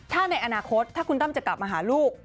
ถ้าในอนาคตถ้าคุณตั้มจะกลับมาหาลูก